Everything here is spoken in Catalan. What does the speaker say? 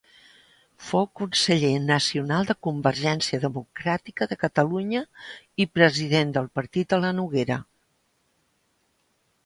Fou conseller nacional de Convergència Democràtica de Catalunya i president del partit a la Noguera.